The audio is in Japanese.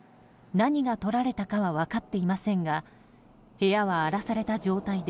何がとられたかは分かっていませんが部屋は荒らされた状態で